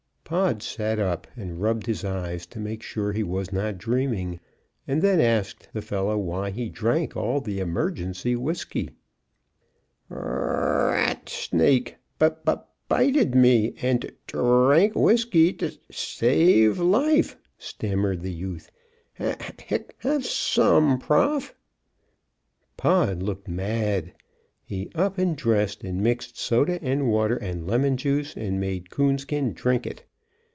Pod sat up and rubbed his eyes to make sure he was not dreaming, and then asked the fellow why he drank all the emergency whiskey. "R r r r r r r rat schnake bite bite bited me d drank whisky t'shave life," stammered the youth. "H h h hic have shome, Prof." Pod looked mad. He up and dressed, and mixed soda and water and lemon juice, and made Coonskin drink it.